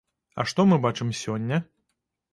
А што мы бачым сёння?